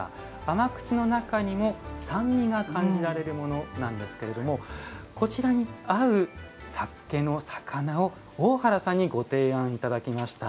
甘口の中にも酸味が感じられるものなんですけれどもこちらに合う酒の肴を大原さんにご提案頂きました。